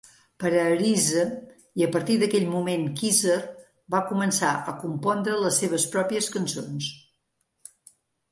Per a Arise i a partir d'aquell moment Kisser va començar a compondre les seves pròpies cançons.